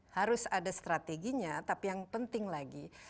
harus ada strateginya tapi yang penting lagi